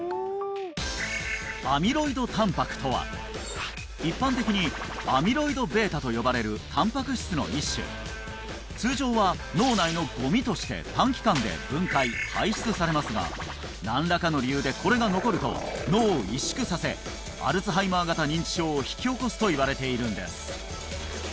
アミロイドたんぱくとは一般的にアミロイド−βと呼ばれるたんぱく質の一種通常は脳内のゴミとして短期間で分解排出されますが何らかの理由でこれが残ると脳を萎縮させアルツハイマー型認知症を引き起こすといわれているんです